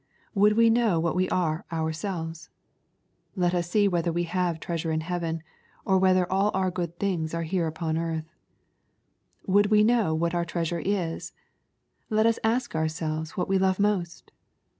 Would we know what we are ourselves ? Let us see whether we have treasure in heaven, or whether all our good things arc here upon earth. — Would we know what our treasure is ? Let us ask ourselves what we love most